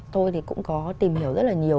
tôi thì cũng có tìm hiểu rất là nhiều